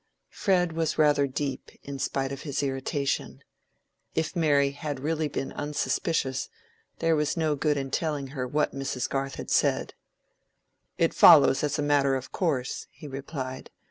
Fred was rather deep, in spite of his irritation. If Mary had really been unsuspicious, there was no good in telling her what Mrs. Garth had said. "It follows as a matter of course," he replied.